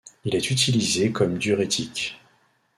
Il est utilisé comme diurétique.